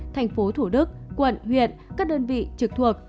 thành phố thủ đức quận huyện các đơn vị trực thuộc